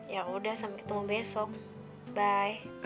ya udah sampai ketemu besok by